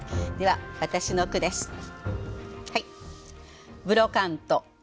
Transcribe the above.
では私の句です。